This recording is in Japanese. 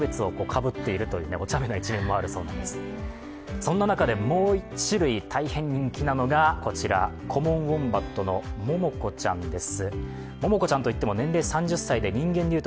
そんな中でもう１種類大変人気なのがコモンウォンバットのモモコちゃんです。